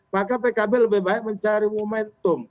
maka pkb lebih baik mencari momentum